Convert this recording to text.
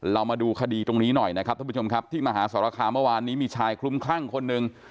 เรามาดูคดีตรงนี้หน่อยนะครับท่านผู้ชมครับที่มหาสรคามเมื่อวานนี้มีชายคลุมคลั่งคนหนึ่ง